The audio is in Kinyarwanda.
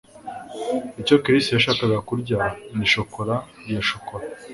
Icyo Chris yashakaga kurya ni shokora ya shokora